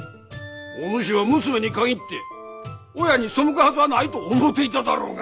お主は娘に限って親に背くはずはないと思うていたろうが。